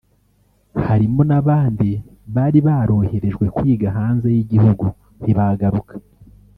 harimo n’abandi bari baroherejwe kwiga hanze y’igihugu ntibagaruka